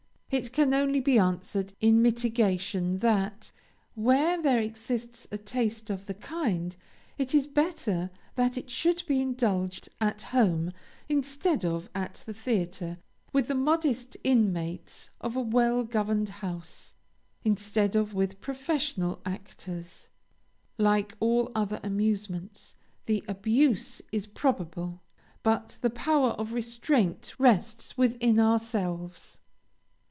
It can only be answered in mitigation that, where there exists a taste of the kind, it is better that it should be indulged at home, instead of at the theatre, with the modest inmates of a well governed house, instead of with professional actors. Like all other amusements, the abuse is probable, but the power of restraint rests within ourselves.